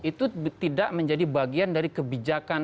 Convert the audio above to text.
itu tidak menjadi bagian dari kebijakan